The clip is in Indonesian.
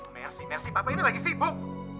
mersi mersi bapak ini lagi sibuk